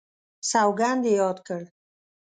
سوګند یې یاد کړ.